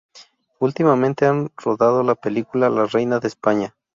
Últimamente ha rodado la película "La reina de España".